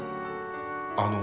あの。